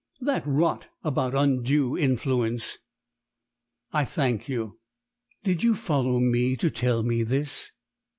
"That rot about undue influence." "I thank you. Did you follow me to tell me this?"